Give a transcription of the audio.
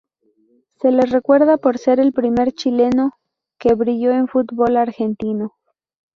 Se le recuerda por ser el primer chileno que brilló en el fútbol argentino.